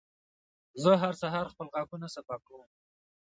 زه هر سهار خپل غاښونه صفا کوم.